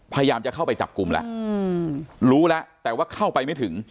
พยายามจะเข้าไปจับกลุ่มแล้วรู้แล้วแต่ว่าเข้าไปไม่ถึง